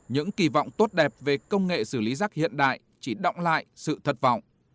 những kỳ vọng tốt đẹp về công nghệ xử lý rác hiện đại chỉ động lại sự thật vọng